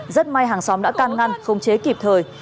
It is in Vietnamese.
rất may hàng xóm đã can ngăn không chế kịp thời